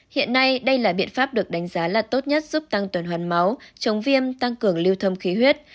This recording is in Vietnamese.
hiện nay đây là biện pháp được đánh giá là tốt nhất giúp tăng tuần hoàn máu chống viêm tăng cường lưu thông khí huyết